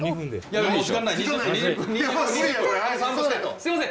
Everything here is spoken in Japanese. すいません